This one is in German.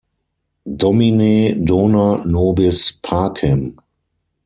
Domine dona nobis pacem.